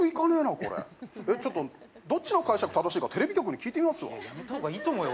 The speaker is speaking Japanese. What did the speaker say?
これちょっとどっちの解釈正しいかテレビ局に聞いてみますわやめた方がいいと思うよ